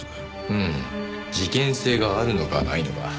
うん事件性があるのかないのか。